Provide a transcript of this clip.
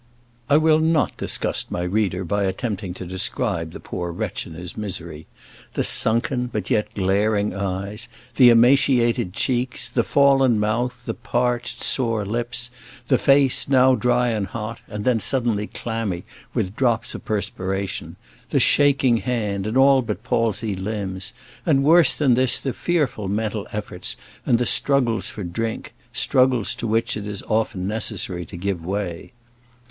I will not disgust my reader by attempting to describe the poor wretch in his misery: the sunken, but yet glaring eyes; the emaciated cheeks; the fallen mouth; the parched, sore lips; the face, now dry and hot, and then suddenly clammy with drops of perspiration; the shaking hand, and all but palsied limbs; and worse than this, the fearful mental efforts, and the struggles for drink; struggles to which it is often necessary to give way.